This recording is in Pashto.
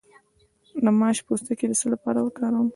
د ماش پوستکی د څه لپاره وکاروم؟